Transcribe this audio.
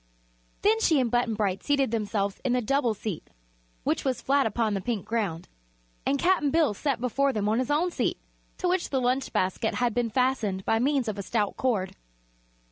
Then she and Button Bright seated themselves in the double seat, which was flat upon the pink ground, and Cap'n Bill sat before them on his own seat, to which the lunch basket had been fastened by means of a stout cord.